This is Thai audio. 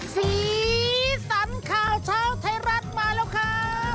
สีสันข่าวเช้าไทยรัฐมาแล้วครับ